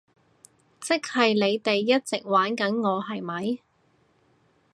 即係你哋一直玩緊我，係咪？